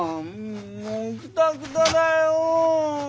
もうくたくただよ！